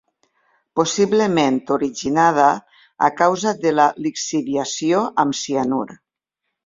Possiblement originada a causa de la lixiviació amb cianur.